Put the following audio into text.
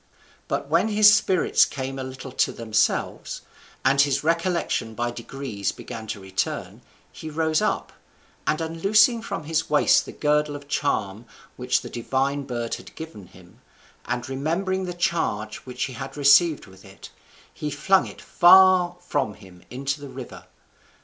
But when his spirits came a little to themselves, and his recollection by degrees began to return, he rose up, and unloosing from his waist the girdle or charm which that divine bird had given him, and remembering the charge which he had received with it, he flung it far from him into the river.